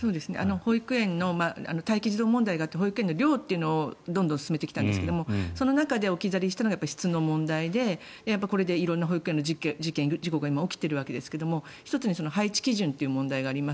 保育園の待機児童問題というのがあって保育園の量というのを重視してきたんですが質の問題でこれで色々な保育園の事件・事故が今、起きているわけですが１つに配置基準というものがあります。